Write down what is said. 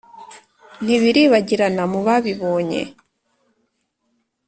ntibiribagirana mu babibonye.